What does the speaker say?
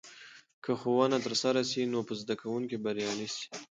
که ښه ښوونه ترسره سي، نو به زده کونکي بريالي سي.